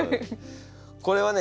これはね